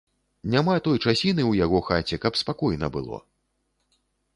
Няма той часіны ў яго хаце, каб спакойна было.